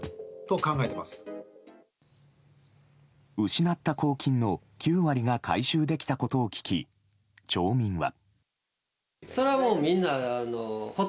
失った公金の９割が回収できたことを聞き町民は。